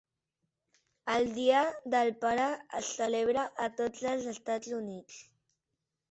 El dia del pare es celebra a tots els Estats Units.